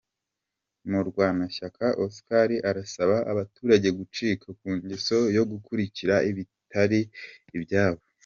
Murwanashyaka Oscar arasaba abaturage gucika ku ngeso yo kurarikira ibitari ibyabo.